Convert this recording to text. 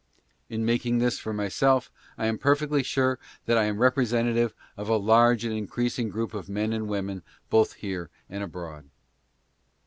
In making this for myself, I am perfectly sure that I am representative of a large and increasing group of men and women both here and abroad.